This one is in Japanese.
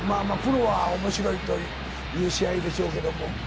プロは面白いという試合でしょうけども。